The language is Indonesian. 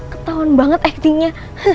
ketauan banget actingnya